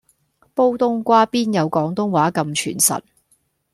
煲東瓜邊有廣東話咁傳神